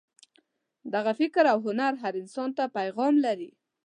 دغه فکر او هنر هر انسان ته پیغام لري.